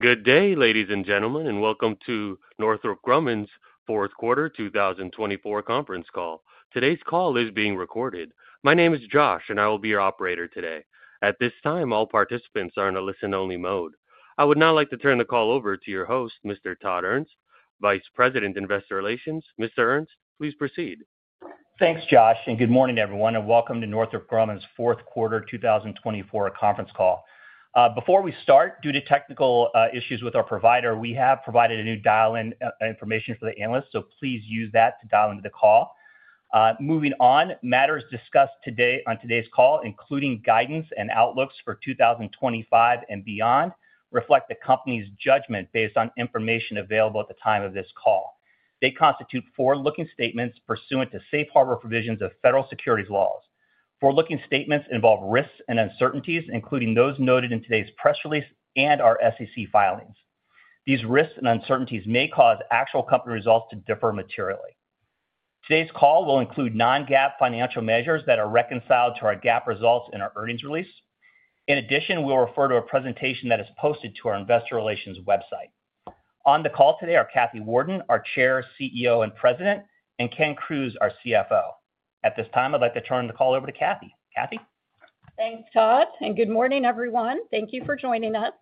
Good day, ladies and gentlemen, and welcome to Northrop Grumman's fourth quarter 2024 conference call. Today's call is being recorded. My name is Josh, and I will be your operator today. At this time, all participants are in a listen-only mode. I would now like to turn the call over to your host, Mr. Todd Ernst, Vice President, Investor Relations. Mr. Ernst, please proceed. Thanks, Josh, and good morning, everyone, and welcome to Northrop Grumman's fourth quarter 2024 conference call. Before we start, due to technical issues with our provider, we have provided a new dial-in information for the analysts, so please use that to dial into the call. Moving on, matters discussed today on today's call, including guidance and outlooks for 2025 and beyond, reflect the company's judgment based on information available at the time of this call. They constitute forward-looking statements pursuant to safe harbor provisions of federal securities laws. Forward-looking statements involve risks and uncertainties, including those noted in today's press release and our SEC filings. These risks and uncertainties may cause actual company results to differ materially. Today's call will include non-GAAP financial measures that are reconciled to our GAAP results in our earnings release. In addition, we'll refer to a presentation that is posted to our Investor Relations website. On the call today are Kathy Warden, our Chair, CEO, and President, and Ken Crews, our CFO. At this time, I'd like to turn the call over to Kathy. Kathy? Thanks, Todd, and good morning, everyone. Thank you for joining us.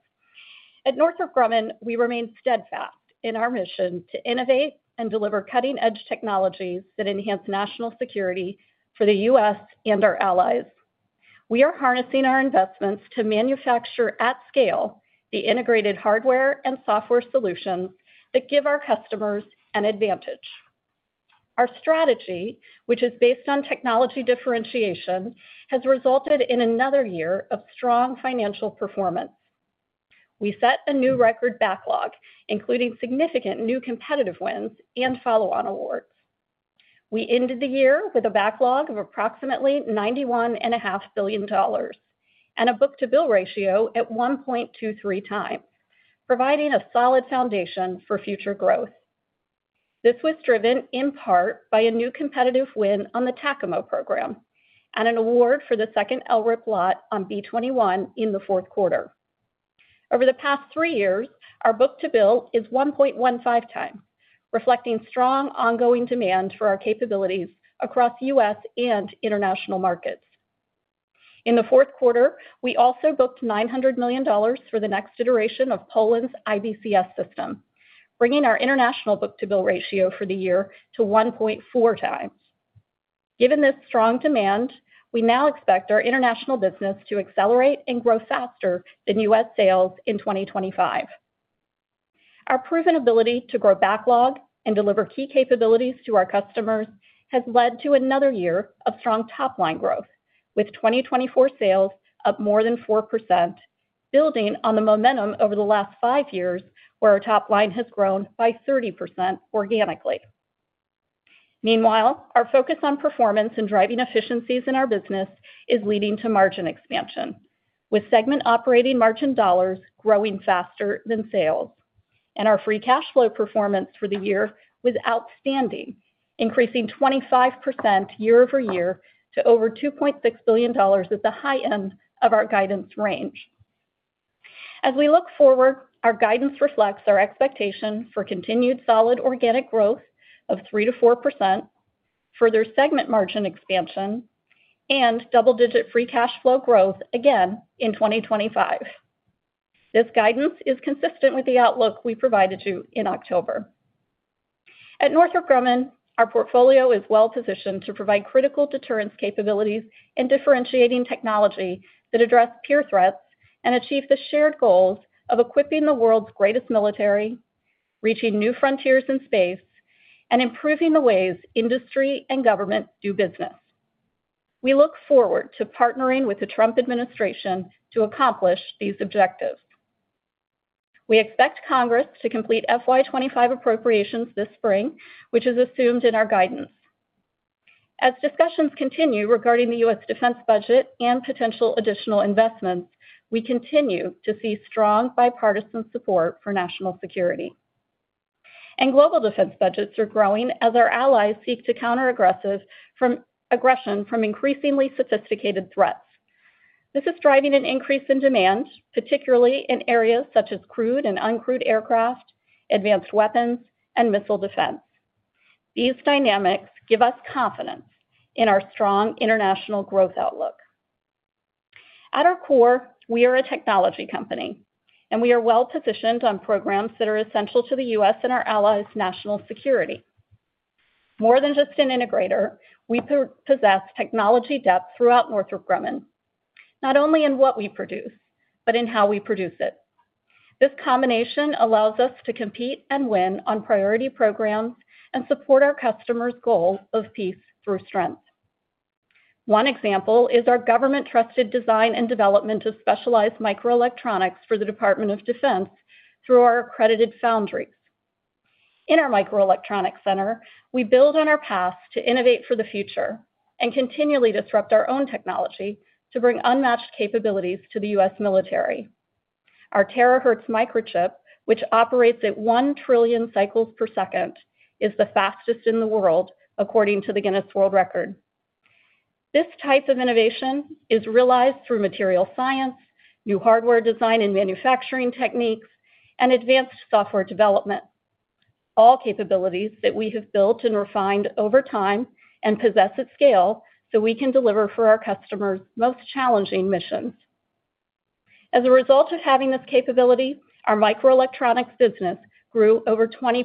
At Northrop Grumman, we remain steadfast in our mission to innovate and deliver cutting-edge technologies that enhance national security for the U.S. and our allies. We are harnessing our investments to manufacture at scale the integrated hardware and software solutions that give our customers an advantage. Our strategy, which is based on technology differentiation, has resulted in another year of strong financial performance. We set a new record backlog, including significant new competitive wins and follow-on awards. We ended the year with a backlog of approximately $91.5 billion and a book-to-bill ratio at 1.23x, providing a solid foundation for future growth. This was driven in part by a new competitive win on the TACAMO program and an award for the second LRIP lot on B-21 in the fourth quarter. Over the past three years, our book-to-bill is 1.15x, reflecting strong ongoing demand for our capabilities across U.S. and international markets. In the fourth quarter, we also booked $900 million for the next iteration of Poland's IBCS system, bringing our international book-to-bill ratio for the year to 1.4x. Given this strong demand, we now expect our international business to accelerate and grow faster than U.S. sales in 2025. Our proven ability to grow backlog and deliver key capabilities to our customers has led to another year of strong top-line growth, with 2024 sales up more than 4%, building on the momentum over the last five years, where our top line has grown by 30% organically. Meanwhile, our focus on performance and driving efficiencies in our business is leading to margin expansion, with segment operating margin dollars growing faster than sales, and our free cash flow performance for the year was outstanding, increasing 25% year-over-year to over $2.6 billion at the high end of our guidance range. As we look forward, our guidance reflects our expectation for continued solid organic growth of 3%-4%, further segment margin expansion, and double-digit free cash flow growth again in 2025. This guidance is consistent with the outlook we provided you in October. At Northrop Grumman, our portfolio is well-positioned to provide critical deterrence capabilities and differentiating technology that address peer threats and achieve the shared goals of equipping the world's greatest military, reaching new frontiers in space, and improving the ways industry and government do business. We look forward to partnering with the Trump administration to accomplish these objectives. We expect Congress to complete FY 2025 appropriations this spring, which is assumed in our guidance. As discussions continue regarding the U.S. defense budget and potential additional investments, we continue to see strong bipartisan support for national security. And global defense budgets are growing as our allies seek to counter aggression from increasingly sophisticated threats. This is driving an increase in demand, particularly in areas such as crewed and uncrewed aircraft, advanced weapons, and missile defense. These dynamics give us confidence in our strong international growth outlook. At our core, we are a technology company, and we are well-positioned on programs that are essential to the U.S. and our allies' national security. More than just an integrator, we possess technology depth throughout Northrop Grumman, not only in what we produce, but in how we produce it. This combination allows us to compete and win on priority programs and support our customers' goal of peace through strength. One example is our government-trusted design and development of specialized microelectronics for the Department of Defense through our accredited foundries. In our Microelectronics Center, we build on our past to innovate for the future and continually disrupt our own technology to bring unmatched capabilities to the U.S. military. Our terahertz microchip, which operates at 1 trillion cycles per second, is the fastest in the world, according to the Guinness World Records. This type of innovation is realized through material science, new hardware design and manufacturing techniques, and advanced software development, all capabilities that we have built and refined over time and possess at scale so we can deliver for our customers' most challenging missions. As a result of having this capability, our microelectronics business grew over 20%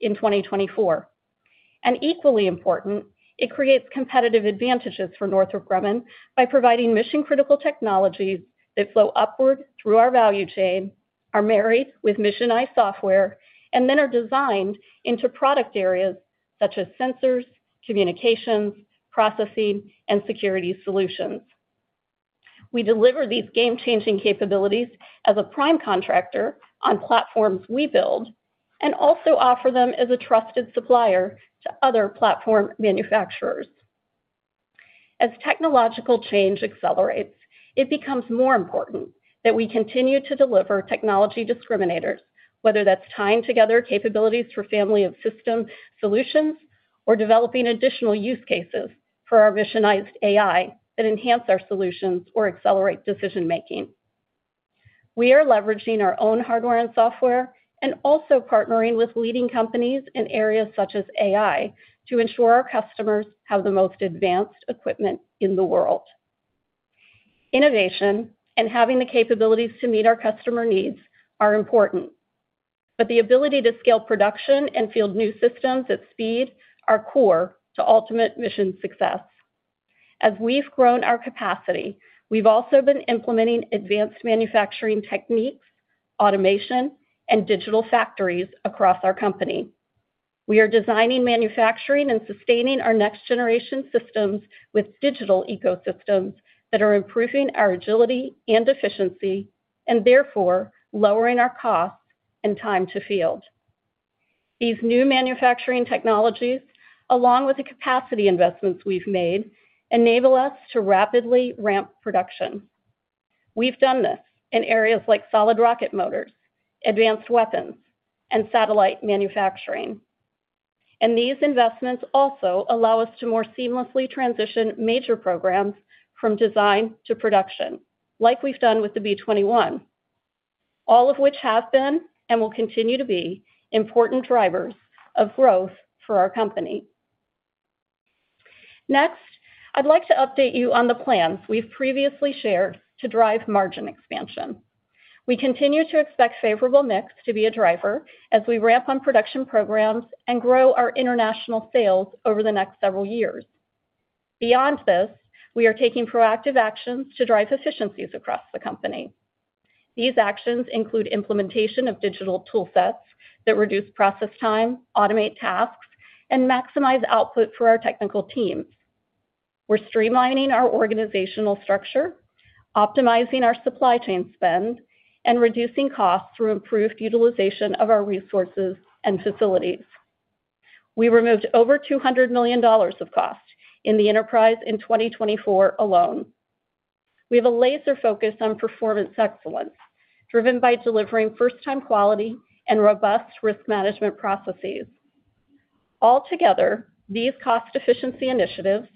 in 2024. Equally important, it creates competitive advantages for Northrop Grumman by providing mission-critical technologies that flow upward through our value chain, are married with missionized software, and then are designed into product areas such as sensors, communications, processing, and security solutions. We deliver these game-changing capabilities as a prime contractor on platforms we build and also offer them as a trusted supplier to other platform manufacturers. As technological change accelerates, it becomes more important that we continue to deliver technology discriminators, whether that's tying together capabilities for family of system solutions or developing additional use cases for our missionized AI that enhance our solutions or accelerate decision-making. We are leveraging our own hardware and software and also partnering with leading companies in areas such as AI to ensure our customers have the most advanced equipment in the world. Innovation and having the capabilities to meet our customer needs are important, but the ability to scale production and field new systems at speed are core to ultimate mission success. As we've grown our capacity, we've also been implementing advanced manufacturing techniques, automation, and digital factories across our company. We are designing, manufacturing, and sustaining our next-generation systems with digital ecosystems that are improving our agility and efficiency and therefore lowering our costs and time to field. These new manufacturing technologies, along with the capacity investments we've made, enable us to rapidly ramp production. We've done this in areas like solid rocket motors, advanced weapons, and satellite manufacturing, and these investments also allow us to more seamlessly transition major programs from design to production, like we've done with the B-21, all of which have been and will continue to be important drivers of growth for our company. Next, I'd like to update you on the plans we've previously shared to drive margin expansion. We continue to expect favorable mix to be a driver as we ramp on production programs and grow our international sales over the next several years. Beyond this, we are taking proactive actions to drive efficiencies across the company. These actions include implementation of digital toolsets that reduce process time, automate tasks, and maximize output for our technical teams. We're streamlining our organizational structure, optimizing our supply chain spend, and reducing costs through improved utilization of our resources and facilities. We removed over $200 million of cost in the enterprise in 2024 alone. We have a laser focus on performance excellence, driven by delivering first-time quality and robust risk management processes. Altogether, these cost efficiency initiatives,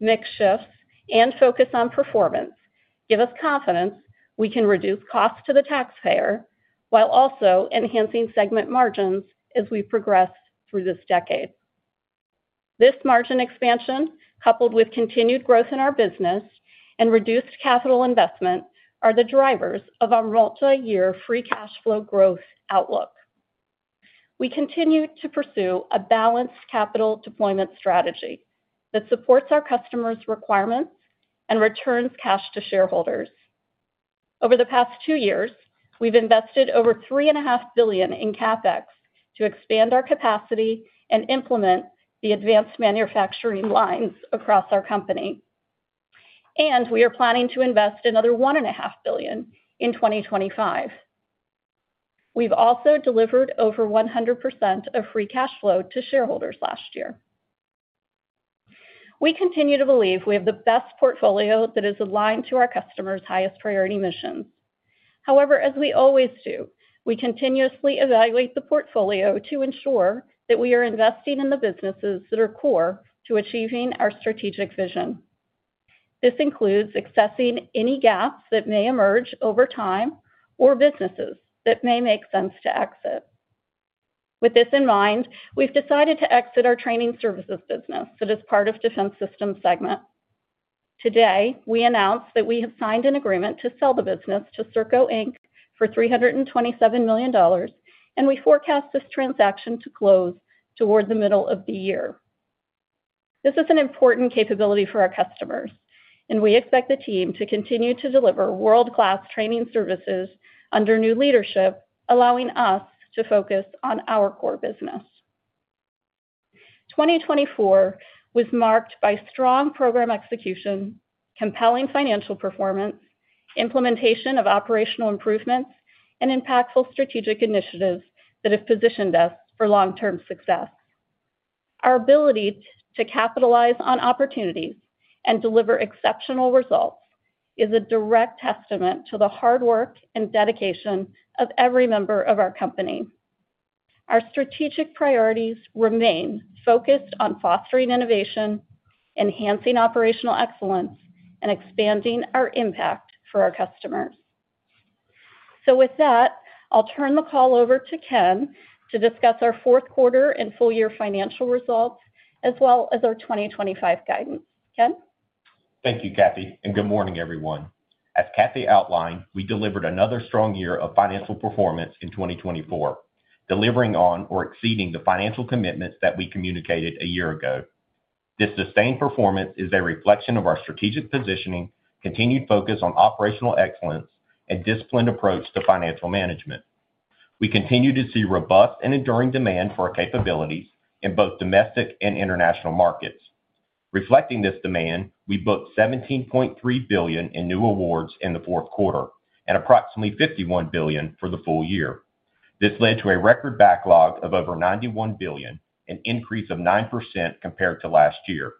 mixed shifts, and focus on performance give us confidence we can reduce costs to the taxpayer while also enhancing segment margins as we progress through this decade. This margin expansion, coupled with continued growth in our business and reduced capital investment, are the drivers of our multi-year free cash flow growth outlook. We continue to pursue a balanced capital deployment strategy that supports our customers' requirements and returns cash to shareholders. Over the past two years, we've invested over $3.5 billion in CapEx to expand our capacity and implement the advanced manufacturing lines across our company. And we are planning to invest another $1.5 billion in 2025. We've also delivered over 100% of free cash flow to shareholders last year. We continue to believe we have the best portfolio that is aligned to our customers' highest priority missions. However, as we always do, we continuously evaluate the portfolio to ensure that we are investing in the businesses that are core to achieving our strategic vision. This includes accessing any gaps that may emerge over time or businesses that may make sense to exit. With this in mind, we've decided to exit our training services business that is part of Defense Systems segment. Today, we announced that we have signed an agreement to sell the business to Serco Inc. for $327 million, and we forecast this transaction to close toward the middle of the year. This is an important capability for our customers, and we expect the team to continue to deliver world-class training services under new leadership, allowing us to focus on our core business. 2024 was marked by strong program execution, compelling financial performance, implementation of operational improvements, and impactful strategic initiatives that have positioned us for long-term success. Our ability to capitalize on opportunities and deliver exceptional results is a direct testament to the hard work and dedication of every member of our company. Our strategic priorities remain focused on fostering innovation, enhancing operational excellence, and expanding our impact for our customers. With that, I'll turn the call over to Ken to discuss our fourth quarter and full-year financial results, as well as our 2025 guidance. Ken. Thank you, Kathy, and good morning, everyone. As Kathy outlined, we delivered another strong year of financial performance in 2024, delivering on or exceeding the financial commitments that we communicated a year ago. This sustained performance is a reflection of our strategic positioning, continued focus on operational excellence, and disciplined approach to financial management. We continue to see robust and enduring demand for our capabilities in both domestic and international markets. Reflecting this demand, we booked $17.3 billion in new awards in the fourth quarter and approximately $51 billion for the full year. This led to a record backlog of over $91 billion, an increase of 9% compared to last year,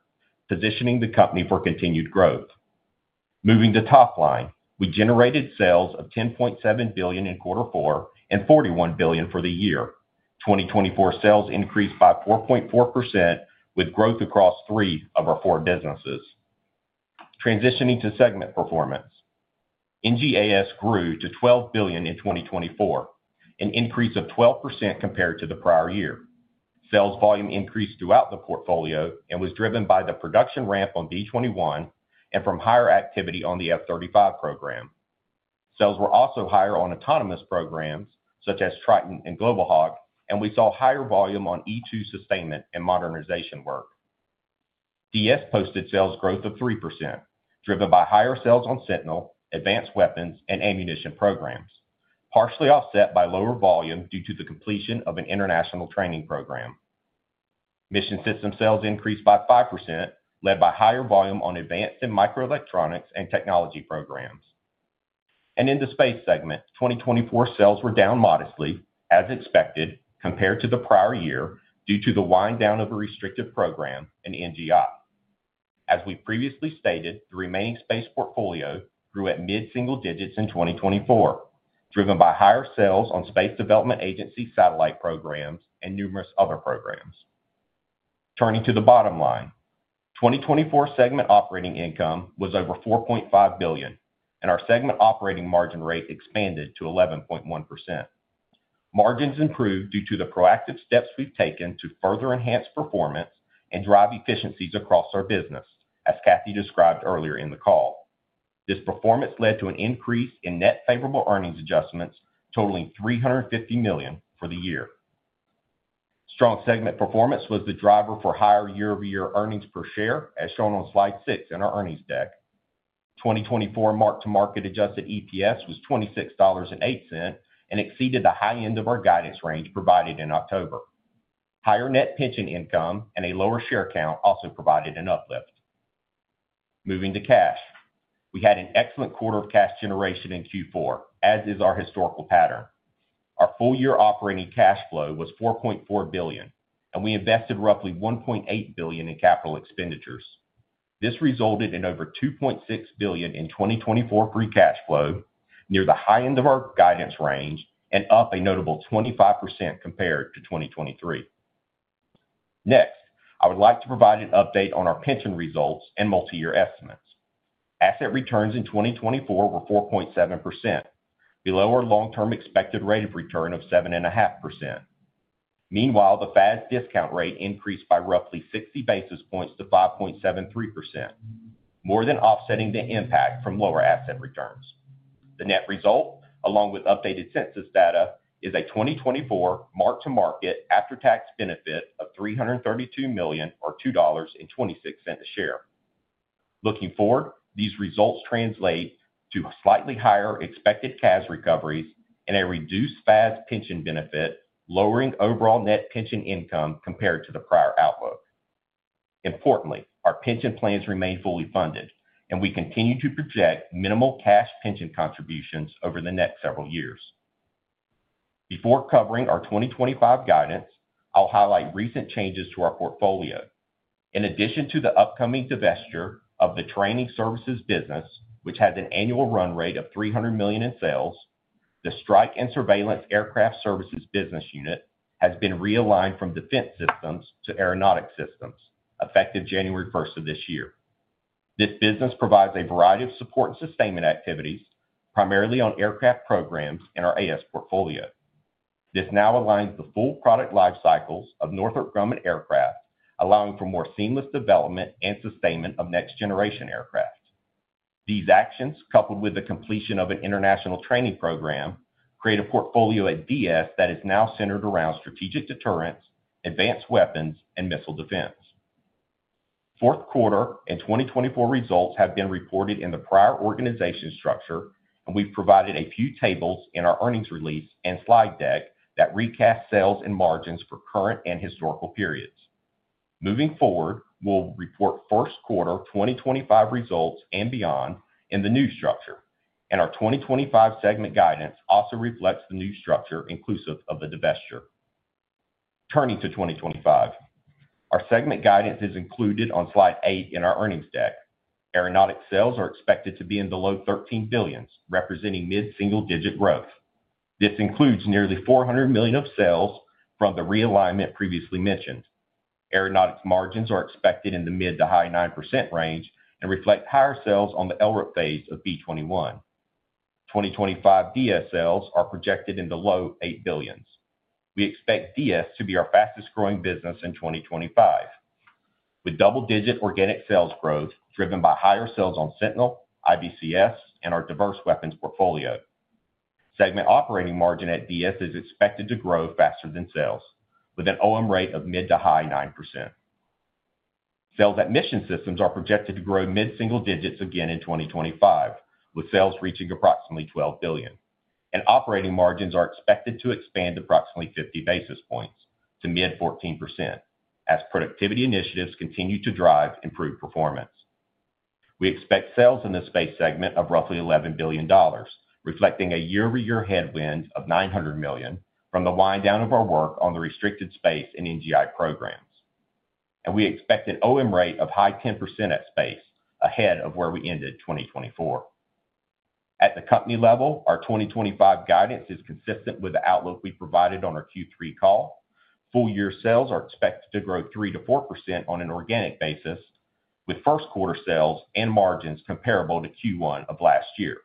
positioning the company for continued growth. Moving to top line, we generated sales of $10.7 billion in quarter four and $41 billion for the year. 2024 sales increased by 4.4%, with growth across three of our four businesses. Transitioning to segment performance, NGAS grew to $12 billion in 2024, an increase of 12% compared to the prior year. Sales volume increased throughout the portfolio and was driven by the production ramp on B-21 and from higher activity on the F-35 program. Sales were also higher on autonomous programs such as Triton and Global Hawk, and we saw higher volume on E-2 sustainment and modernization work. DS posted sales growth of 3%, driven by higher sales on Sentinel, advanced weapons, and ammunition programs, partially offset by lower volume due to the completion of an international training program. Mission system sales increased by 5%, led by higher volume on advanced and microelectronics and technology programs. In the Space segment, 2024 sales were down modestly, as expected, compared to the prior year due to the wind down of a restrictive program in NGI. As we previously stated, the remaining Space portfolio grew at mid-single digits in 2024, driven by higher sales on Space Development Agency satellite programs and numerous other programs. Turning to the bottom line, 2024 segment operating income was over $4.5 billion, and our segment operating margin rate expanded to 11.1%. Margins improved due to the proactive steps we've taken to further enhance performance and drive efficiencies across our business, as Kathy described earlier in the call. This performance led to an increase in net favorable earnings adjustments totaling $350 million for the year. Strong segment performance was the driver for higher year-over-year earnings per share, as shown on slide six in our earnings deck. 2024 mark-to-market adjusted EPS was $26.08 and exceeded the high end of our guidance range provided in October. Higher net pension income and a lower share count also provided an uplift. Moving to cash, we had an excellent quarter of cash generation in Q4, as is our historical pattern. Our full-year operating cash flow was $4.4 billion, and we invested roughly $1.8 billion in capital expenditures. This resulted in over $2.6 billion in 2024 free cash flow, near the high end of our guidance range and up a notable 25% compared to 2023. Next, I would like to provide an update on our pension results and multi-year estimates. Asset returns in 2024 were 4.7%, below our long-term expected rate of return of 7.5%. Meanwhile, the FAS discount rate increased by roughly 60 basis points to 5.73%, more than offsetting the impact from lower asset returns. The net result, along with updated census data, is a 2024 marked-to-market after-tax benefit of $332 million or $2.26 a share. Looking forward, these results translate to slightly higher expected cash recoveries and a reduced FAS pension benefit, lowering overall net pension income compared to the prior outlook. Importantly, our pension plans remain fully funded, and we continue to project minimal cash pension contributions over the next several years. Before covering our 2025 guidance, I'll highlight recent changes to our portfolio. In addition to the upcoming divestiture of the training services business, which has an annual run rate of $300 million in sales, the Strike and Surveillance Aircraft Services business unit has been realigned from Defense Systems to Aeronautics Systems, effective January 1st of this year. This business provides a variety of support and sustainment activities, primarily on aircraft programs in our AS portfolio. This now aligns the full product life cycles of Northrop Grumman aircraft, allowing for more seamless development and sustainment of next-generation aircraft. These actions, coupled with the completion of an international training program, create a portfolio at DS that is now centered around strategic deterrents, advanced weapons, and missile defense. Fourth quarter and 2024 results have been reported in the prior organization structure, and we've provided a few tables in our earnings release and slide deck that recast sales and margins for current and historical periods. Moving forward, we'll report first quarter 2025 results and beyond in the new structure, and our 2025 segment guidance also reflects the new structure inclusive of the divestiture. Turning to 2025, our segment guidance is included on slide eight in our earnings deck. Aeronautics sales are expected to be in the low $13 billion, representing mid-single digit growth. This includes nearly $400 million of sales from the realignment previously mentioned. Aeronautics margins are expected in the mid- to high-9% range and reflect higher sales on the LRIP phase of B-21. 2025 DS sales are projected in the low $8 billion. We expect DS to be our fastest growing business in 2025, with double-digit organic sales growth driven by higher sales on Sentinel, IBCS, and our diverse weapons portfolio. Segment operating margin at DS is expected to grow faster than sales, with an OM rate of mid to high 9%. Sales at Mission Systems are projected to grow mid-single digits again in 2025, with sales reaching approximately $12 billion, and operating margins are expected to expand approximately 50 basis points to mid-14% as productivity initiatives continue to drive improved performance. We expect sales in the Space segment of roughly $11 billion, reflecting a year-over-year headwind of $900 million from the wind down of our work on the restricted Space and NGI programs, and we expect an OM rate of high 10% at Space ahead of where we ended 2024. At the company level, our 2025 guidance is consistent with the outlook we provided on our Q3 call. Full-year sales are expected to grow 3%-4% on an organic basis, with first quarter sales and margins comparable to Q1 of last year.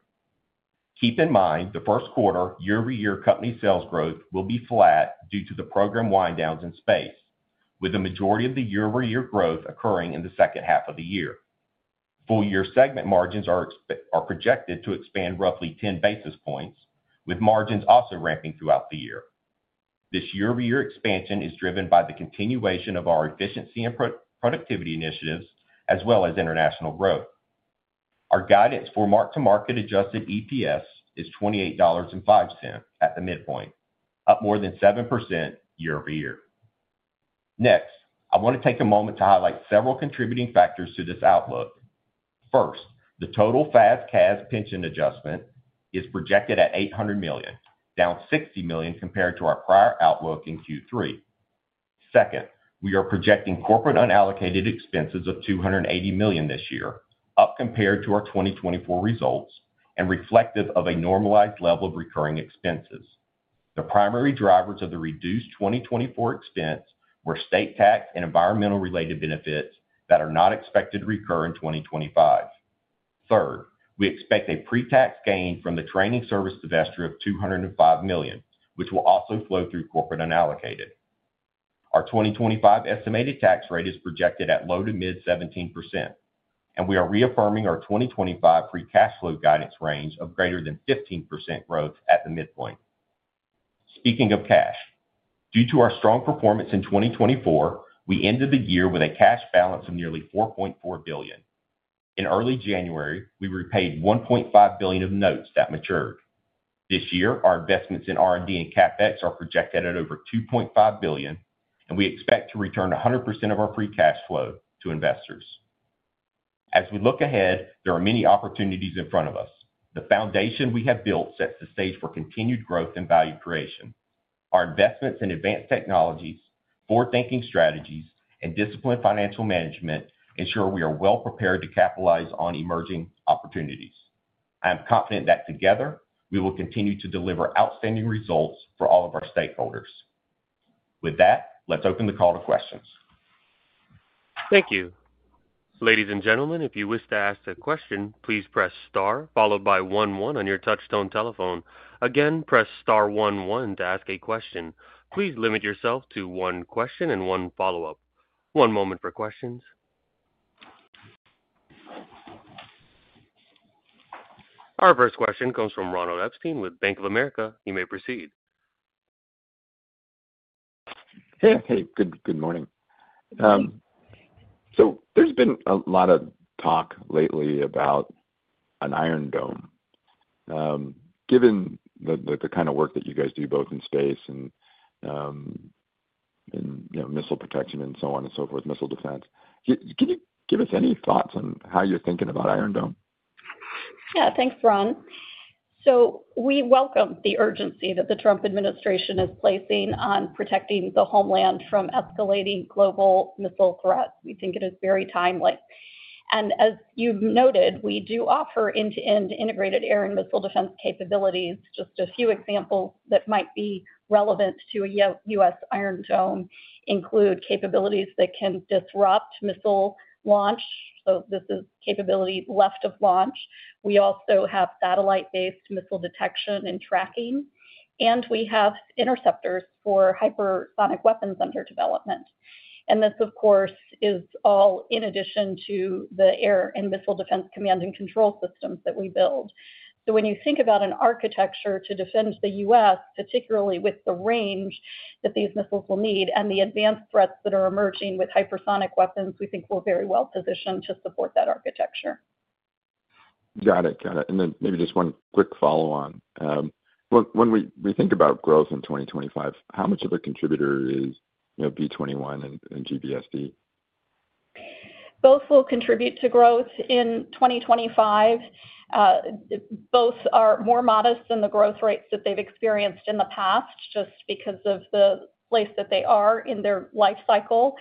Keep in mind the first quarter year-over-year company sales growth will be flat due to the program wind downs in Space, with the majority of the year-over-year growth occurring in the second half of the year. Full-year segment margins are projected to expand roughly 10 basis points, with margins also ramping throughout the year. This year-over-year expansion is driven by the continuation of our efficiency and productivity initiatives, as well as international growth. Our guidance for mark-to-market adjusted EPS is $28.05 at the midpoint, up more than 7% year-over-year. Next, I want to take a moment to highlight several contributing factors to this outlook. First, the total FAS CAS pension adjustment is projected at $800 million, down $60 million compared to our prior outlook in Q3. Second, we are projecting corporate unallocated expenses of $280 million this year, up compared to our 2024 results and reflective of a normalized level of recurring expenses. The primary drivers of the reduced 2024 expense were state tax and environmental-related benefits that are not expected to recur in 2025. Third, we expect a pre-tax gain from the training service divestiture of $205 million, which will also flow through corporate unallocated. Our 2025 estimated tax rate is projected at low to mid 17%, and we are reaffirming our 2025 free cash flow guidance range of greater than 15% growth at the midpoint. Speaking of cash, due to our strong performance in 2024, we ended the year with a cash balance of nearly $4.4 billion. In early January, we repaid $1.5 billion of notes that matured. This year, our investments in R&D and CapEx are projected at over $2.5 billion, and we expect to return 100% of our free cash flow to investors. As we look ahead, there are many opportunities in front of us. The foundation we have built sets the stage for continued growth and value creation. Our investments in advanced technologies, forward-thinking strategies, and disciplined financial management ensure we are well prepared to capitalize on emerging opportunities. I am confident that together, we will continue to deliver outstanding results for all of our stakeholders. With that, let's open the call to questions. Thank you. Ladies and gentlemen, if you wish to ask a question, please press star followed by one one on your touch-tone telephone. Again, press star one one to ask a question. Please limit yourself to one question and one follow-up. One moment for questions. Our first question comes from Ronald Epstein with Bank of America. You may proceed. Hey, hey, good morning. So there's been a lot of talk lately about an Iron Dome. Given the kind of work that you guys do, both in space and missile protection and so on and so forth, missile defense, can you give us any thoughts on how you're thinking about Iron Dome? Yeah, thanks, Ron. So we welcome the urgency that the Trump administration is placing on protecting the homeland from escalating global missile threats. We think it is very timely. And as you've noted, we do offer end-to-end integrated air and missile defense capabilities. Just a few examples that might be relevant to a U.S. Iron Dome include capabilities that can disrupt missile launch. So this is capability left of launch. We also have satellite-based missile detection and tracking, and we have interceptors for hypersonic weapons under development, and this, of course, is all in addition to the air and missile defense command and control systems that we build, so when you think about an architecture to defend the U.S., particularly with the range that these missiles will need and the advanced threats that are emerging with hypersonic weapons, we think we're very well positioned to support that architecture. Got it, got it, and then maybe just one quick follow-on. When we think about growth in 2025, how much of a contributor is B-21 and GBSD? Both will contribute to growth in 2025. Both are more modest than the growth rates that they've experienced in the past, just because of the place that they are in their life cycle.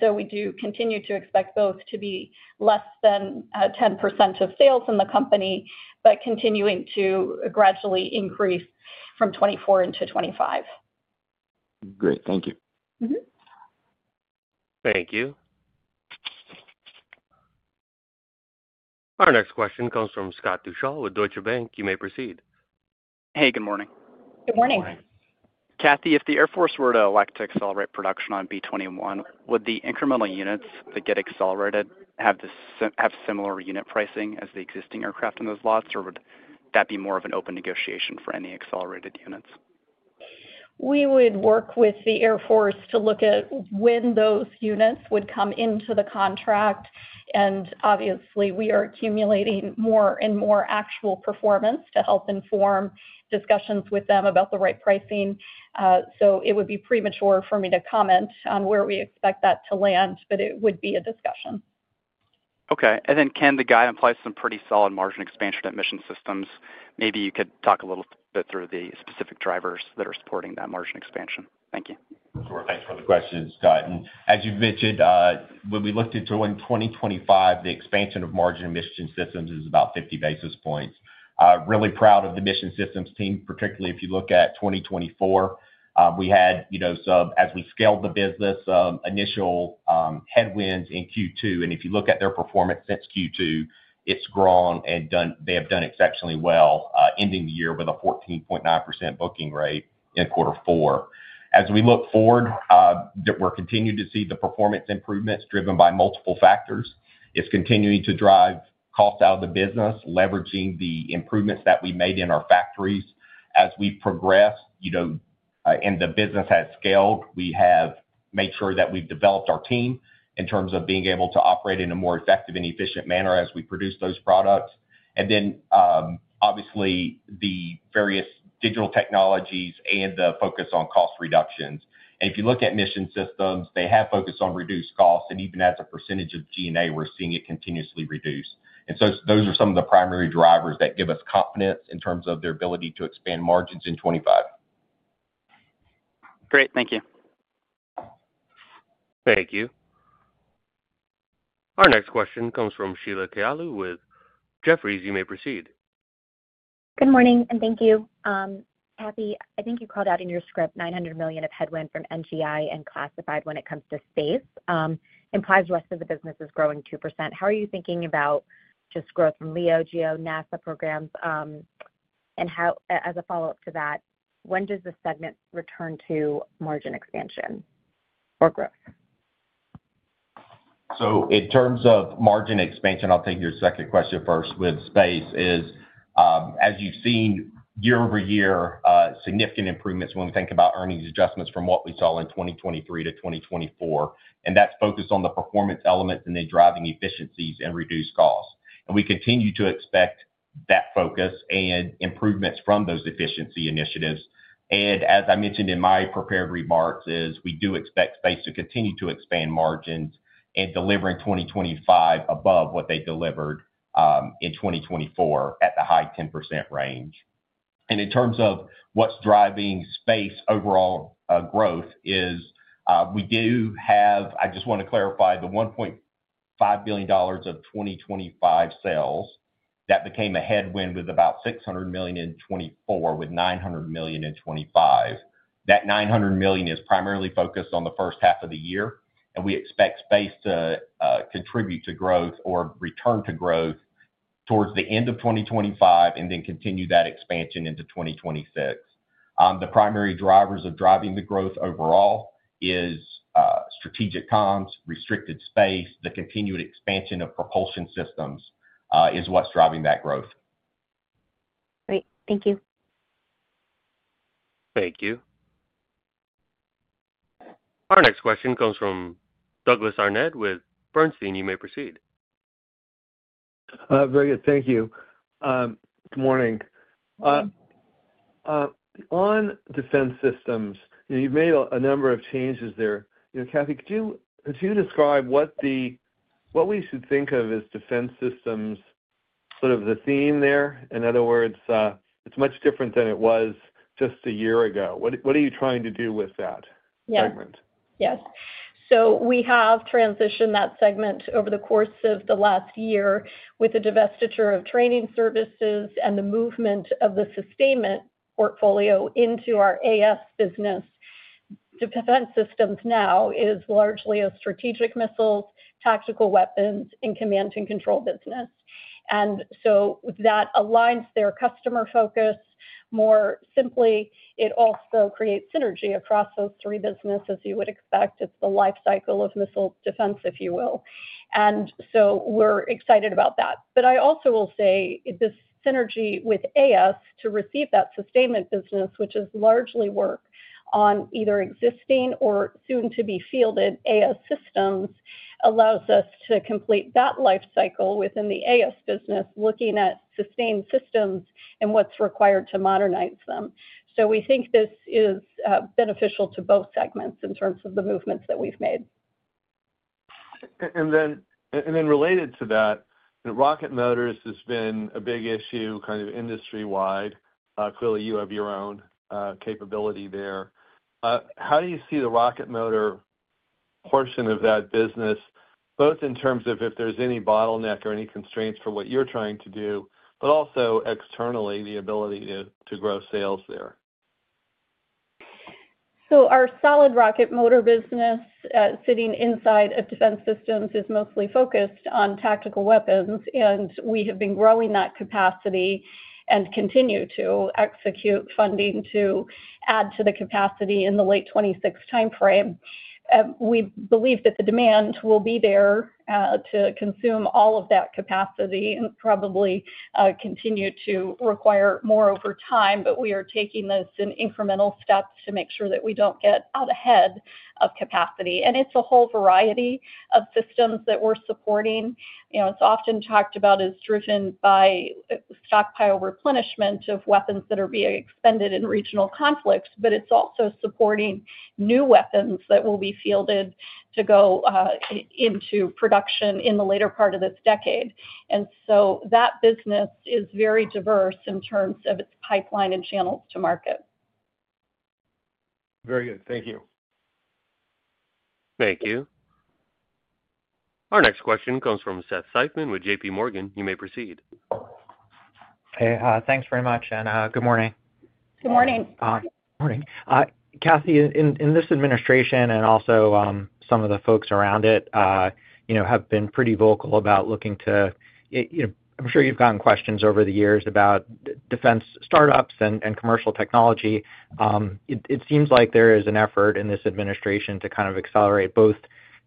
So we do continue to expect both to be less than 10% of sales in the company, but continuing to gradually increase from 2024 into 2025. Great, thank you. Thank you. Our next question comes from Scott Deuschle with Deutsche Bank. You may proceed. Hey, good morning. Good morning. Kathy, if the Air Force were to elect to accelerate production on B-21, would the incremental units that get accelerated have similar unit pricing as the existing aircraft in those lots, or would that be more of an open negotiation for any accelerated units? We would work with the Air Force to look at when those units would come into the contract. And obviously, we are accumulating more and more actual performance to help inform discussions with them about the right pricing. So, it would be premature for me to comment on where we expect that to land, but it would be a discussion. Okay. And then, can the guidance place some pretty solid margin expansion at Mission Systems? Maybe you could talk a little bit through the specific drivers that are supporting that margin expansion. Thank you. Thanks for the question, Scott. And as you've mentioned, when we looked into 2025, the expansion of margin Mission Systems is about 50 basis points. Really proud of the Mission Systems team, particularly if you look at 2024. We had, as we scaled the business, initial headwinds in Q2. And if you look at their performance since Q2, it's grown and they have done exceptionally well, ending the year with a 14.9% booking rate in quarter four. As we look forward, we're continuing to see the performance improvements driven by multiple factors. It's continuing to drive costs out of the business, leveraging the improvements that we made in our factories as we progress. And the business has scaled. We have made sure that we've developed our team in terms of being able to operate in a more effective and efficient manner as we produce those products. And then, obviously, the various digital technologies and the focus on cost reductions. And if you look at Mission Systems, they have focused on reduced costs. And even as a percentage of G&A, we're seeing it continuously reduce. And so those are some of the primary drivers that give us confidence in terms of their ability to expand margins in 2025. Great, thank you. Thank you. Our next question comes from Sheila Kahyaoglu with Jefferies. You may proceed. Good morning, and thank you. Kathy, I think you called out in your script $900 million of headwind from NGI and classified when it comes to Space. Implies the rest of the business is growing 2%. How are you thinking about just growth from LEO, GEO, NASA programs? And as a follow-up to that, when does the segment return to margin expansion or growth? So in terms of margin expansion, I'll take your second question first with Space, as you've seen year-over-year significant improvements when we think about earnings adjustments from what we saw in 2023 to 2024. And that's focused on the performance elements and then driving efficiencies and reduced costs. And we continue to expect that focus and improvements from those efficiency initiatives. As I mentioned in my prepared remarks, we do expect Space to continue to expand margins and deliver in 2025 above what they delivered in 2024 at the high 10% range. In terms of what's driving Space overall growth, we do have. I just want to clarify. The $1.5 billion of 2025 sales that became a headwind with about $600 million in 2024 with $900 million in 2025. That $900 million is primarily focused on the first half of the year. We expect Space to contribute to growth or return to growth towards the end of 2025 and then continue that expansion into 2026. The primary drivers of driving the growth overall are strategic comms, restricted Space, the continued expansion of propulsion systems is what's driving that growth. Great, thank you. Thank you. Our next question comes from Douglas Harned with Bernstein. You may proceed. Very good, thank you. Good morning. On Defense Systems, you've made a number of changes there. Kathy, could you describe what we should think of as Defense Systems, sort of the theme there? In other words, it's much different than it was just a year ago. What are you trying to do with that segment? Yes. So we have transitioned that segment over the course of the last year with the divestiture of training services and the movement of the sustainment portfolio into our AS business. Defense Systems now is largely a strategic missiles, tactical weapons, and command and control business. And so that aligns their customer focus more simply. It also creates synergy across those three businesses, as you would expect. It's the life cycle of missile defense, if you will. And so we're excited about that. But I also will say this synergy with AS to receive that sustainment business, which is largely work on either existing or soon-to-be fielded AS systems, allows us to complete that life cycle within the AS business, looking at sustained systems and what's required to modernize them. So we think this is beneficial to both segments in terms of the movements that we've made. And then related to that, rocket motors has been a big issue kind of industry-wide. Clearly, you have your own capability there. How do you see the rocket motor portion of that business, both in terms of if there's any bottleneck or any constraints for what you're trying to do, but also externally, the ability to grow sales there? So our solid rocket motor business sitting inside of Defense Systems is mostly focused on tactical weapons. We have been growing that capacity and continue to execute funding to add to the capacity in the late 2026 timeframe. We believe that the demand will be there to consume all of that capacity and probably continue to require more over time. But we are taking this in incremental steps to make sure that we don't get out ahead of capacity. And it's a whole variety of systems that we're supporting. It's often talked about as driven by stockpile replenishment of weapons that are being expended in regional conflicts, but it's also supporting new weapons that will be fielded to go into production in the later part of this decade. And so that business is very diverse in terms of its pipeline and channels to market. Very good, thank you. Thank you. Our next question comes from Seth Seifman with JPMorgan. You may proceed. Hey, thanks very much and good morning. Good morning. Good morning. Kathy, in this administration and also some of the folks around it have been pretty vocal about looking to, I'm sure you've gotten questions over the years about defense startups and commercial technology. It seems like there is an effort in this administration to kind of accelerate both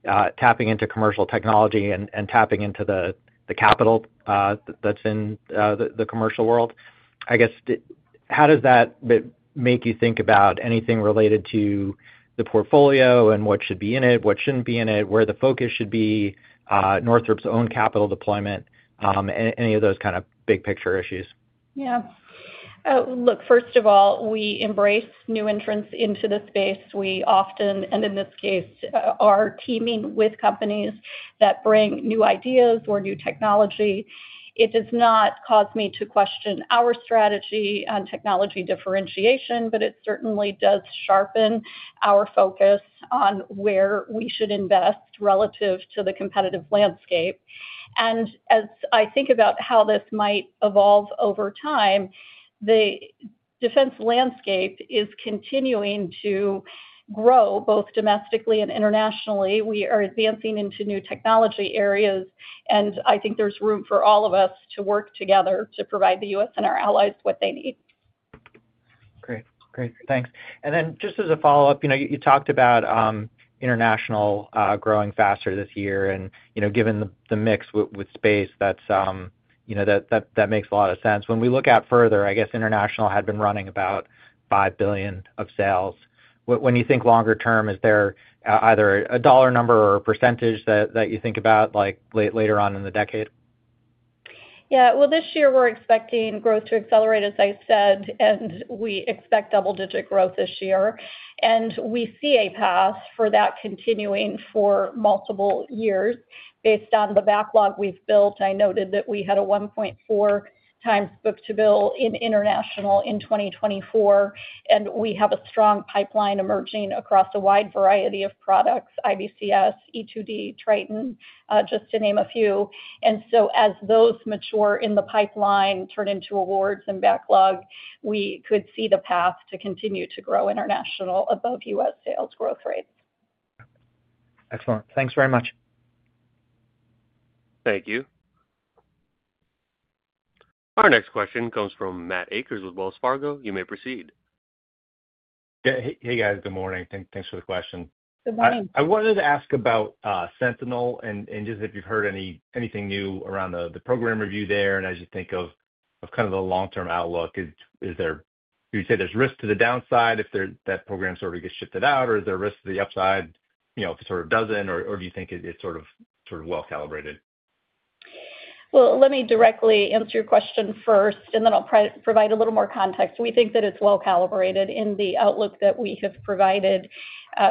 tapping into commercial technology and tapping into the capital that's in the commercial world. I guess, how does that make you think about anything related to the portfolio and what should be in it, what shouldn't be in it, where the focus should be, Northrop's own capital deployment, any of those kind of big picture issues? Yeah. Look, first of all, we embrace new entrants into the space. We often, and in this case, are teaming with companies that bring new ideas or new technology. It does not cause me to question our strategy on technology differentiation, but it certainly does sharpen our focus on where we should invest relative to the competitive landscape. And as I think about how this might evolve over time, the defense landscape is continuing to grow both domestically and internationally. We are advancing into new technology areas. And I think there's room for all of us to work together to provide the U.S. and our allies what they need. Great, great. Thanks. And then just as a follow-up, you talked about international growing faster this year. And given the mix with Space, that makes a lot of sense. When we look out further, I guess international had been running about $5 billion of sales. When you think longer term, is there either a dollar number or a percentage that you think about later on in the decade? Yeah. Well, this year, we're expecting growth to accelerate, as I said. And we expect double-digit growth this year. And we see a path for that continuing for multiple years based on the backlog we've built. I noted that we had a 1.4x book-to-bill in international in 2024. And we have a strong pipeline emerging across a wide variety of products: IBCS, E-2D, Triton, just to name a few. And so as those mature in the pipeline, turn into awards and backlog, we could see the path to continue to grow international above U.S. sales growth rates. Excellent. Thanks very much. Thank you. Our next question comes from Matt Akers with Wells Fargo. You may proceed. Hey, guys. Good morning. Thanks for the question. Good morning. I wanted to ask about Sentinel and just if you've heard anything new around the program review there? And as you think of kind of the long-term outlook, would you say there's risk to the downside if that program sort of gets shifted out? Or is there a risk to the upside if it sort of doesn't? Or do you think it's sort of well-calibrated? Well, let me directly answer your question first, and then I'll provide a little more context. We think that it's well-calibrated in the outlook that we have provided.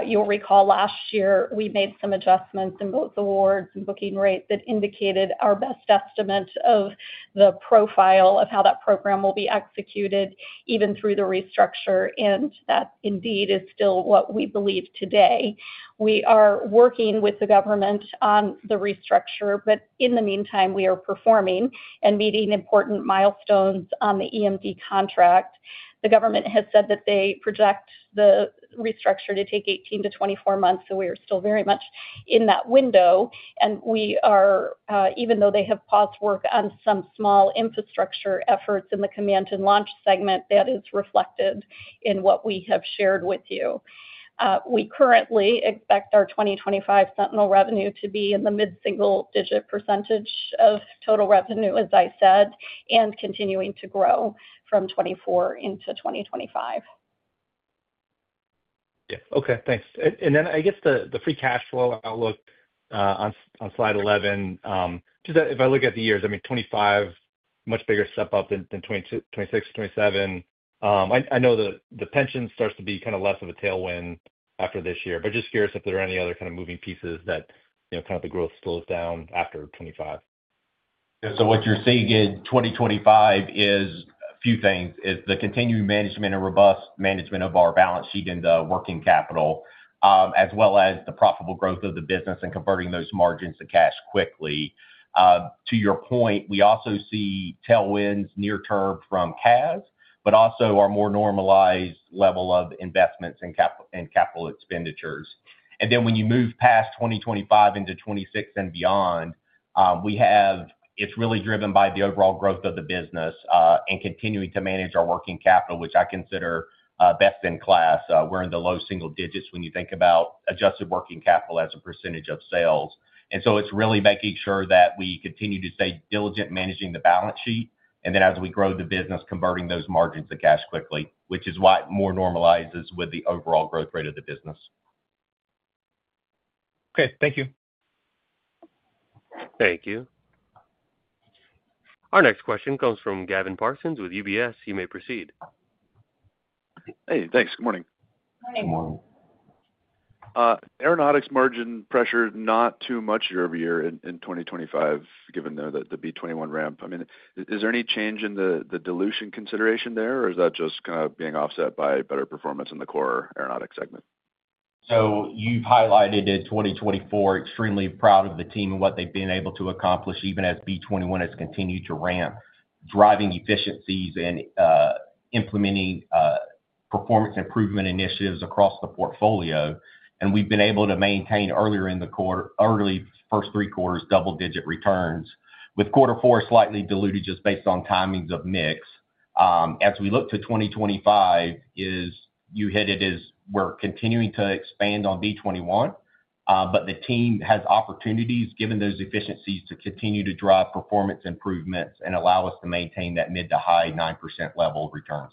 You'll recall last year, we made some adjustments in both awards and booking rate that indicated our best estimate of the profile of how that program will be executed even through the restructure. And that, indeed, is still what we believe today. We are working with the government on the restructure. But in the meantime, we are performing and meeting important milestones on the EMD contract. The government has said that they project the restructure to take 18-24 months. So we are still very much in that window. And even though they have paused work on some small infrastructure efforts in the command and launch segment, that is reflected in what we have shared with you. We currently expect our 2025 Sentinel revenue to be in the mid-single-digit % of total revenue, as I said, and continuing to grow from 2024 into 2025. Yeah. Okay, thanks. And then I guess the free cash flow outlook on Slide 11, if I look at the years, I mean, 2025, much bigger step up than 2026, 2027. I know the pension starts to be kind of less of a tailwind after this year. But just curious if there are any other kind of moving pieces that kind of the growth slows down after 2025. So what you're seeing in 2025 is a few things: the continued management and robust management of our balance sheet and the working capital, as well as the profitable growth of the business and converting those margins to cash quickly. To your point, we also see tailwinds near-term from CAS, but also our more normalized level of investments and capital expenditures. And then when you move past 2025 into 2026 and beyond, it's really driven by the overall growth of the business and continuing to manage our working capital, which I consider best in class. We're in the low single digits when you think about adjusted working capital as a percentage of sales. And so it's really making sure that we continue to stay diligent managing the balance sheet. And then as we grow the business, converting those margins to cash quickly, which is why it more normalizes with the overall growth rate of the business. Okay, thank you. Thank you. Our next question comes from Gavin Parsons with UBS. You may proceed. Hey, thanks. Good morning. Good morning. Good morning. Aeronautics margin pressure not too much year over year in 2025, given the B-21 ramp. I mean, is there any change in the dilution consideration there? Or is that just kind of being offset by better performance in the core aeronautics segment? So you've highlighted in 2024, extremely proud of the team and what they've been able to accomplish even as B-21 has continued to ramp, driving efficiencies and implementing performance improvement initiatives across the portfolio. And we've been able to maintain earlier in the quarter, early first three quarters, double-digit returns with quarter four slightly diluted just based on timings of mix. As we look to 2025, you hit it as we're continuing to expand on B-21. But the team has opportunities, given those efficiencies, to continue to drive performance improvements and allow us to maintain that mid to high 9% level of returns.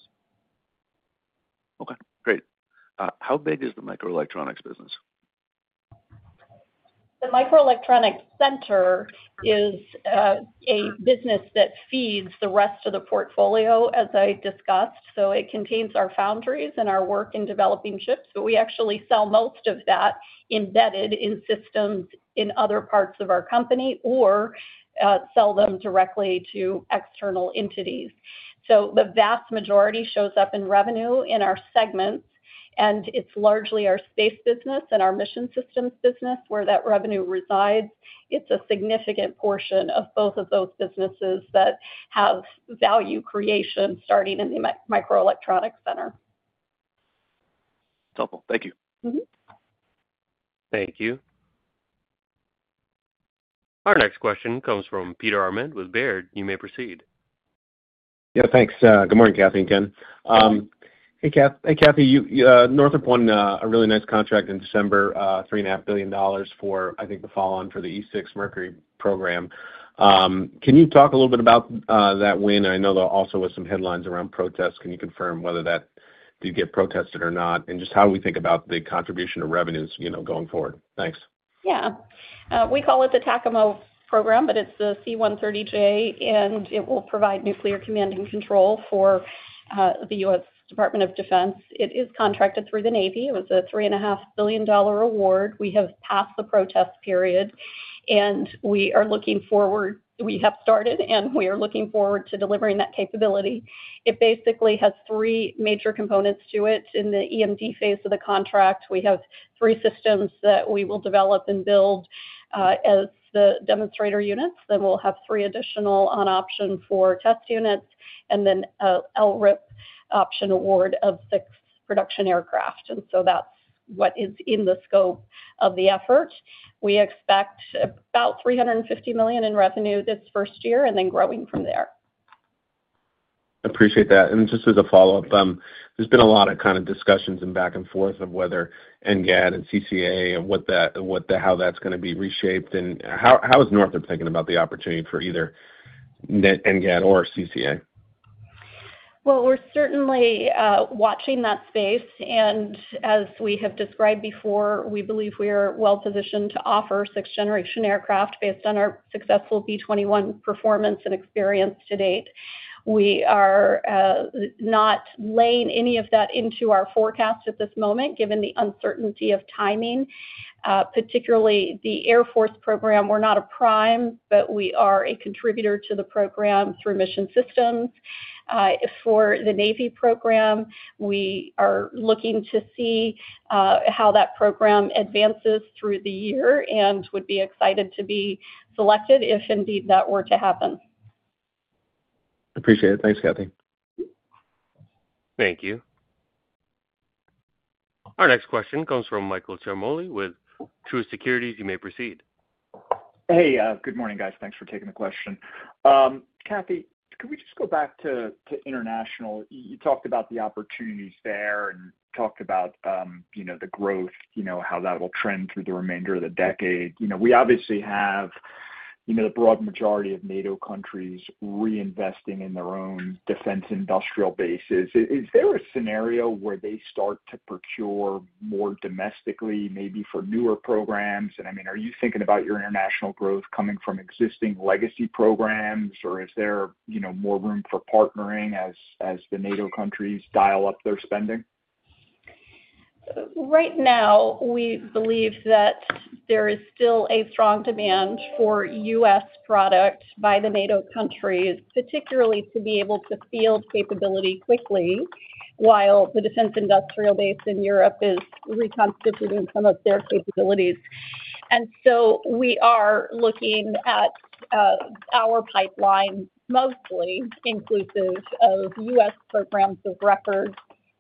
Okay, great. How big is the microelectronics business? The microelectronics center is a business that feeds the rest of the portfolio, as I discussed. So it contains our foundries and our work in developing chips. But we actually sell most of that embedded in systems in other parts of our company or sell them directly to external entities. So the vast majority shows up in revenue in our segments. And it's largely our Space business and our Mission Systems business where that revenue resides. It's a significant portion of both of those businesses that have value creation starting in the microelectronics center. Helpful. Thank you. Thank you. Our next question comes from Peter Arment with Baird. You may proceed. Yeah, thanks. Good morning, Kathy again. Hey, Kathy. Northrop won a really nice contract in December, $3.5 billion for, I think, the follow-on for the E-6 Mercury program. Can you talk a little bit about that win? I know there also were some headlines around protests. Can you confirm whether that, did you get protested or not? And just how we think about the contribution to revenues going forward. Thanks. Yeah. We call it the TACAMO program, but it's the C-130J. And it will provide nuclear command and control for the U.S. Department of Defense. It is contracted through the Navy. It was a $3.5 billion award. We have passed the protest period, and we are looking forward. We have started, and we are looking forward to delivering that capability. It basically has three major components to it. In the EMD phase of the contract, we have three systems that we will develop and build as the demonstrator units. Then we'll have three additional on-option for test units, and then an LRIP option award of six production aircraft, and so that's what is in the scope of the effort. We expect about $350 million in revenue this first year and then growing from there. Appreciate that, and just as a follow-up, there's been a lot of kind of discussions and back and forth of whether NGAD and CCA and how that's going to be reshaped. How is Northrop thinking about the opportunity for either NGAD or CCA? Well, we're certainly watching that space. And as we have described before, we believe we are well-positioned to offer six-generation aircraft based on our successful B-21 performance and experience to date. We are not laying any of that into our forecast at this moment, given the uncertainty of timing, particularly the Air Force program. We're not a prime, but we are a contributor to the program through Mission Systems. For the Navy program, we are looking to see how that program advances through the year and would be excited to be selected if indeed that were to happen. Appreciate it. Thanks, Kathy. Thank you. Our next question comes from Michael Ciarmoli with Truist Securities. You may proceed. Hey, good morning, guys. Thanks for taking the question. Kathy, can we just go back to international? You talked about the opportunities there and talked about the growth, how that will trend through the remainder of the decade. We obviously have the broad majority of NATO countries reinvesting in their own defense industrial bases. Is there a scenario where they start to procure more domestically, maybe for newer programs, and I mean, are you thinking about your international growth coming from existing legacy programs? Or is there more room for partnering as the NATO countries dial up their spending? Right now, we believe that there is still a strong demand for U.S. product by the NATO countries, particularly to be able to field capability quickly while the defense industrial base in Europe is reconstituting some of their capabilities, and so we are looking at our pipeline mostly inclusive of U.S. programs of record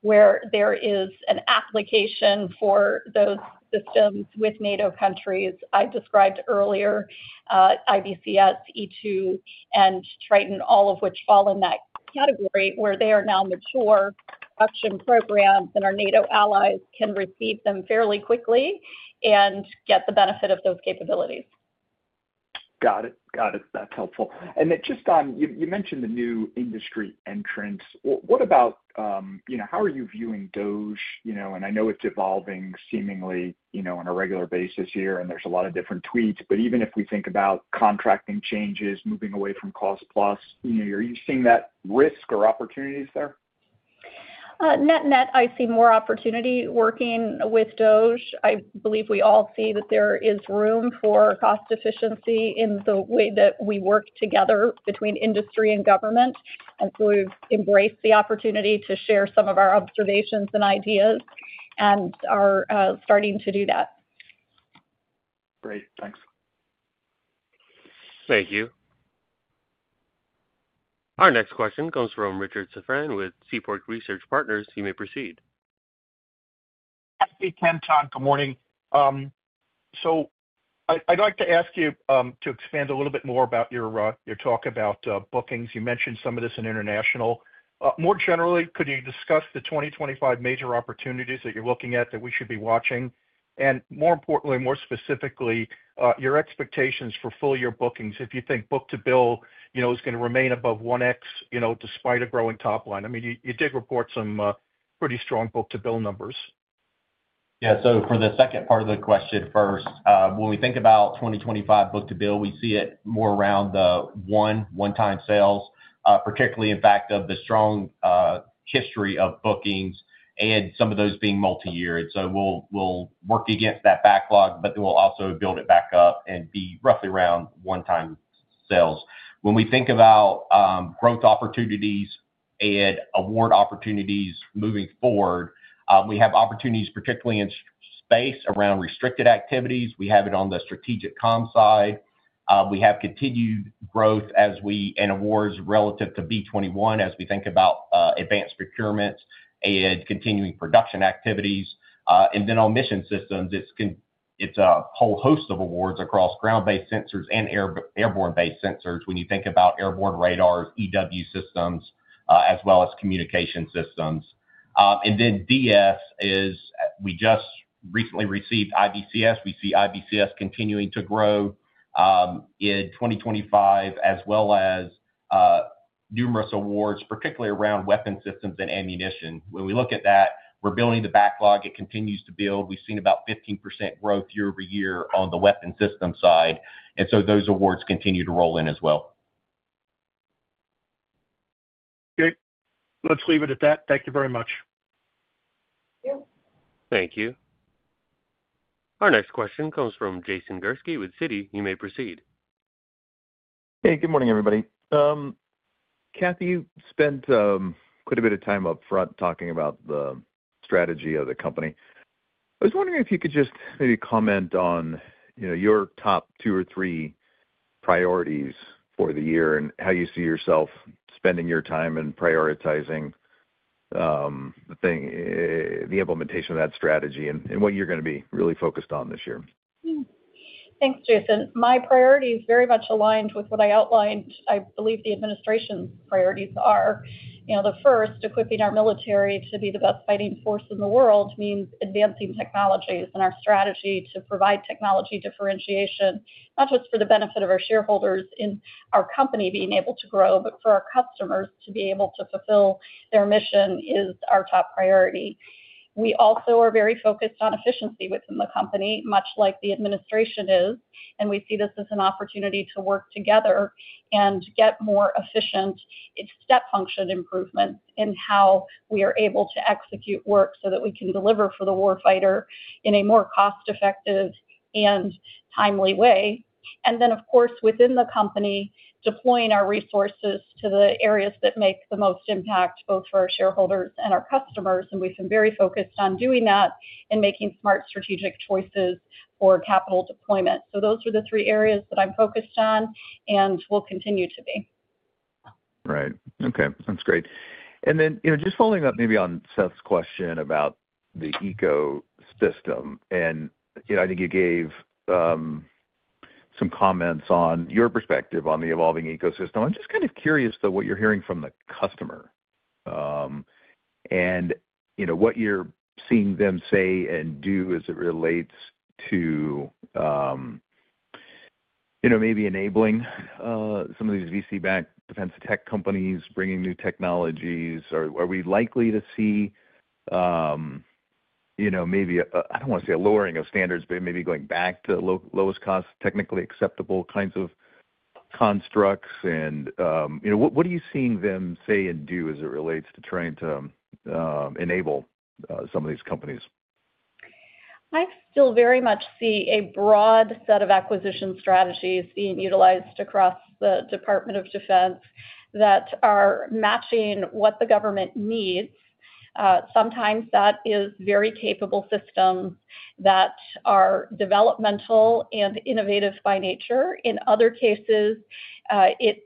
where there is an application for those systems with NATO countries. I described earlier IBCS, E-2, and Triton, all of which fall in that category where they are now mature production programs and our NATO allies can receive them fairly quickly and get the benefit of those capabilities. Got it. Got it. That's helpful. And just on, you mentioned the new industry entrants. What about how are you viewing DOGE? And I know it's evolving seemingly on a regular basis here, and there's a lot of different tweets. But even if we think about contracting changes, moving away from cost plus, are you seeing that risk or opportunities there? Net-net, I see more opportunity working with DOGE. I believe we all see that there is room for cost efficiency in the way that we work together between industry and government. And so we've embraced the opportunity to share some of our observations and ideas and are starting to do that. Great. Thanks. Thank you. Our next question comes from Richard Safran with Seaport Research Partners. You may proceed. Kathy Warden, good morning. So I'd like to ask you to expand a little bit more about your talk about bookings. You mentioned some of this in international. More generally, could you discuss the 2025 major opportunities that you're looking at that we should be watching? And more importantly, more specifically, your expectations for full-year bookings, if you think book-to-bill is going to remain above 1x despite a growing top line? I mean, you did report some pretty strong book-to-bill numbers. Yeah. So for the second part of the question first, when we think about 2025 book-to-bill, we see it more around the one-time sales, particularly in fact of the strong history of bookings and some of those being multi-year. And so we'll work against that backlog, but then we'll also build it back up and be roughly around one-time sales. When we think about growth opportunities and award opportunities moving forward, we have opportunities, particularly in Space around restricted activities. We have it on the strategic comm side. We have continued growth and awards relative to B-21 as we think about advanced procurements and continuing production activities. And then on Mission Systems, it's a whole host of awards across ground-based sensors and airborne-based sensors when you think about airborne radars, EW systems, as well as communication systems. And then DS, we just recently received IBCS. We see IBCS continuing to grow in 2025, as well as numerous awards, particularly around weapon systems and ammunition. When we look at that, we're building the backlog. It continues to build. We've seen about 15% growth year-over-year on the weapon system side. And so those awards continue to roll in as well. Okay. Let's leave it at that. Thank you very much. Thank you. Our next question comes from Jason Gursky with Citi. You may proceed. Hey, good morning, everybody. Kathy, you spent quite a bit of time upfront talking about the strategy of the company. I was wondering if you could just maybe comment on your top two or three priorities for the year and how you see yourself spending your time and prioritizing the implementation of that strategy and what you're going to be really focused on this year. Thanks, Jason. My priorities very much aligned with what I outlined. I believe the administration's priorities are. The first, equipping our military to be the best fighting force in the world means advancing technologies and our strategy to provide technology differentiation, not just for the benefit of our shareholders in our company being able to grow, but for our customers to be able to fulfill their mission is our top priority. We also are very focused on efficiency within the company, much like the administration is. And we see this as an opportunity to work together and get more efficient step function improvements in how we are able to execute work so that we can deliver for the warfighter in a more cost-effective and timely way. And then, of course, within the company, deploying our resources to the areas that make the most impact both for our shareholders and our customers. And we've been very focused on doing that and making smart strategic choices for capital deployment. So those are the three areas that I'm focused on and will continue to be. Right. Okay. That's great. And then just following up maybe on Seth's question about the ecosystem, and I think you gave some comments on your perspective on the evolving ecosystem. I'm just kind of curious of what you're hearing from the customer and what you're seeing them say and do as it relates to maybe enabling some of these VC-backed defense tech companies bringing new technologies. Are we likely to see maybe, I don't want to say a lowering of standards, but maybe going back to lowest cost, technically acceptable kinds of constructs? And what are you seeing them say and do as it relates to trying to enable some of these companies? I still very much see a broad set of acquisition strategies being utilized across the Department of Defense that are matching what the government needs. Sometimes that is very capable systems that are developmental and innovative by nature. In other cases, it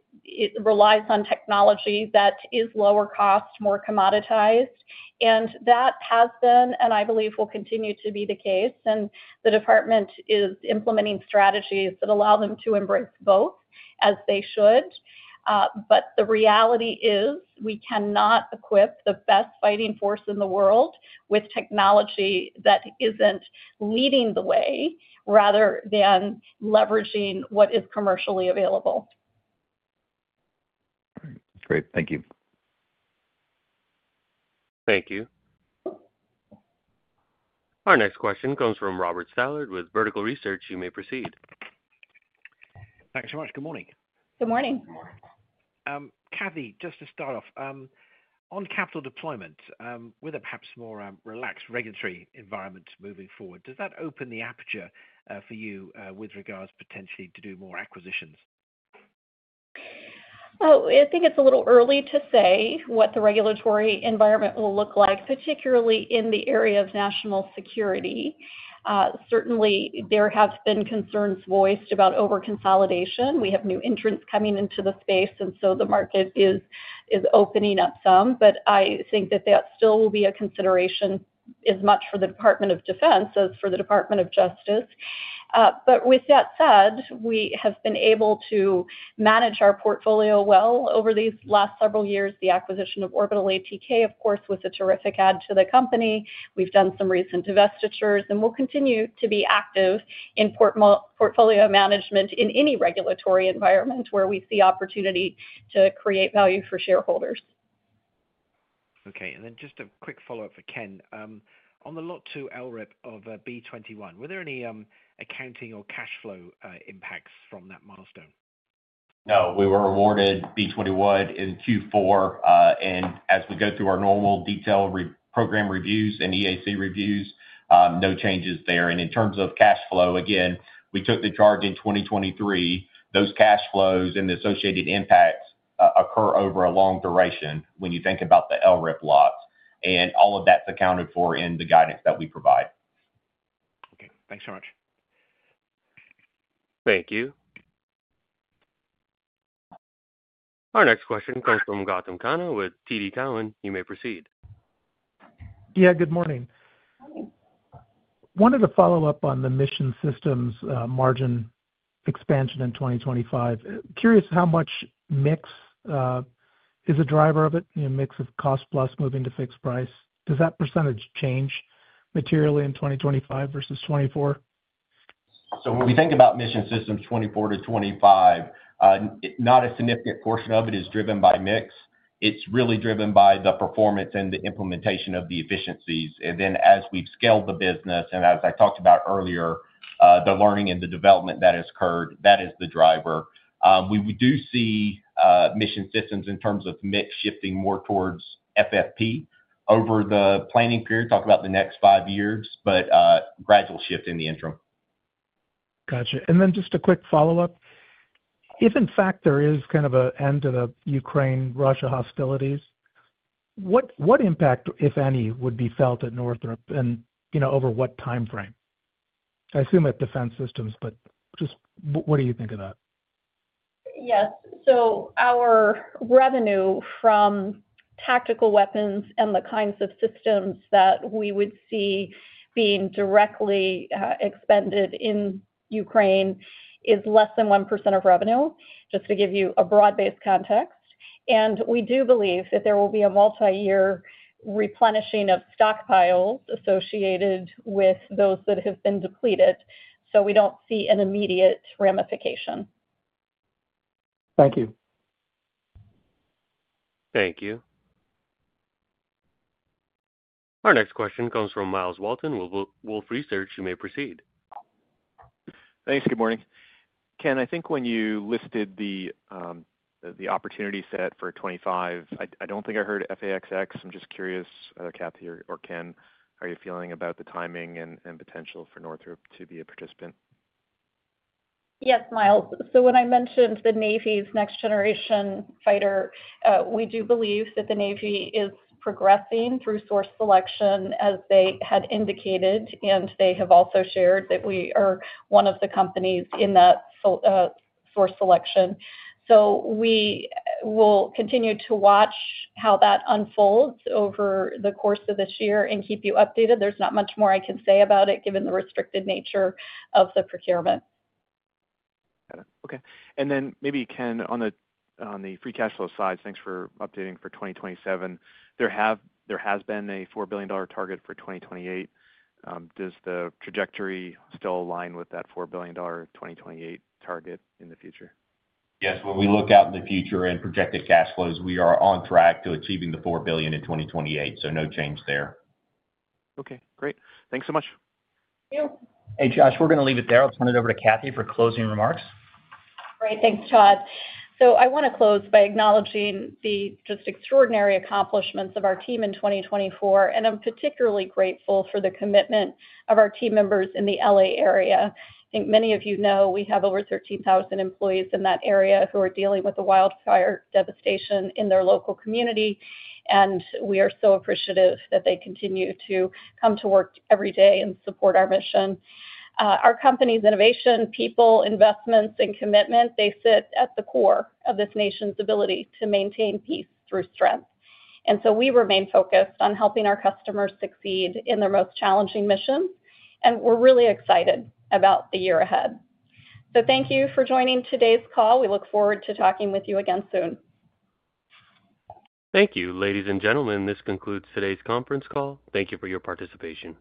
relies on technology that is lower cost, more commoditized. And that has been, and I believe will continue to be the case. And the department is implementing strategies that allow them to embrace both as they should. But the reality is we cannot equip the best fighting force in the world with technology that isn't leading the way rather than leveraging what is commercially available. Great. Thank you. Thank you. Our next question comes from Robert Stallard with Vertical Research Partners. You may proceed. Thanks so much. Good morning. Good morning. Good morning. Kathy, just to start off, on capital deployment with a perhaps more relaxed regulatory environment moving forward, does that open the aperture for you with regards potentially to do more acquisitions? Oh, I think it's a little early to say what the regulatory environment will look like, particularly in the area of national security. Certainly, there have been concerns voiced about over-consolidation. We have new entrants coming into the Space, and so the market is opening up some. But I think that that still will be a consideration as much for the Department of Defense as for the Department of Justice. But with that said, we have been able to manage our portfolio well over these last several years. The acquisition of Orbital ATK, of course, was a terrific add to the company. We've done some recent divestitures, and we'll continue to be active in portfolio management in any regulatory environment where we see opportunity to create value for shareholders. Okay. And then just a quick follow-up for Ken. On the Lot 2 LRIP of B-21, were there any accounting or cash flow impacts from that milestone? No. We were awarded B-21 in Q4. And as we go through our normal detailed program reviews and EAC reviews, no changes there. And in terms of cash flow, again, we took the charge in 2023. Those cash flows and the associated impacts occur over a long duration when you think about the LRIP lot. And all of that's accounted for in the guidance that we provide. Okay. Thanks so much. Thank you. Our next question comes from Gautam Khanna with TD Cowen. You may proceed. Yeah. Good morning. One of the follow-ups on the Mission Systems margin expansion in 2025. Curious how much mix is a driver of it, a mix of cost plus moving to fixed price. Does that percentage change materially in 2025 versus 2024? So when we think about Mission Systems 2024 to 2025, not a significant portion of it is driven by mix. It's really driven by the performance and the implementation of the efficiencies. And then as we've scaled the business, and as I talked about earlier, the learning and the development that has occurred, that is the driver. We do see Mission Systems in terms of mix shifting more towards FFP over the planning period, talk about the next five years, but gradual shift in the interim. Gotcha. And then just a quick follow-up. If in fact there is kind of an end to the Ukraine-Russia hostilities, what impact, if any, would be felt at Northrop and over what timeframe? I assume at Defense Systems, but just what do you think of that? Yes. So our revenue from tactical weapons and the kinds of systems that we would see being directly expended in Ukraine is less than 1% of revenue, just to give you a broad-based context. And we do believe that there will be a multi-year replenishing of stockpiles associated with those that have been depleted. So we don't see an immediate ramification. Thank you. Thank you. Our next question comes from Myles Walton, Wolfe Research. You may proceed. Thanks. Good morning. Ken, I think when you listed the opportunity set for 2025, I don't think I heard F/A-XX. I'm just curious, Kathy or Ken, how are you feeling about the timing and potential for Northrop to be a participant? Yes, Miles. So when I mentioned the Navy's next-generation fighter, we do believe that the Navy is progressing through source selection as they had indicated, and they have also shared that we are one of the companies in that source selection. So we will continue to watch how that unfolds over the course of this year and keep you updated. There's not much more I can say about it given the restricted nature of the procurement. Got it. Okay. And then maybe, Ken, on the free cash flow side, thanks for updating for 2027. There has been a $4 billion target for 2028. Does the trajectory still align with that $4 billion 2028 target in the future? Yes. When we look out in the future and projected cash flows, we are on track to achieving the $4 billion in 2028. So no change there. Okay. Great. Thanks so much. Thank you. Hey, guys, we're going to leave it there. I'll turn it over to Kathy for closing remarks. All right. Thanks, Todd. So I want to close by acknowledging the just extraordinary accomplishments of our team in 2024. And I'm particularly grateful for the commitment of our team members in the LA area. I think many of you know we have over 13,000 employees in that area who are dealing with the wildfire devastation in their local community. And we are so appreciative that they continue to come to work every day and support our mission. Our company's innovation, people, investments, and commitment, they sit at the core of this nation's ability to maintain peace through strength. And so we remain focused on helping our customers succeed in their most challenging missions. And we're really excited about the year ahead. So thank you for joining today's call. We look forward to talking with you again soon. Thank you, ladies and gentlemen. This concludes today's conference call. Thank you for your participation.